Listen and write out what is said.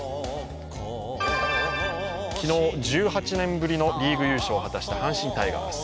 昨日、１８年ぶりのリーグ優勝を果たした阪神タイガース。